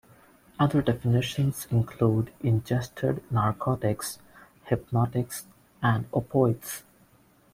Other definitions include ingested narcotics, hypnotics, and opioids.